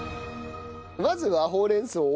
まずはほうれん草を？